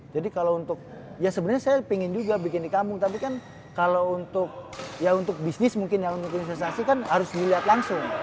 jadi kalo untuk ya sebenernya saya pingin juga bikin di kampung tapi kan kalo untuk ya untuk bisnis mungkin ya untuk investasi kan harus dilihat langsung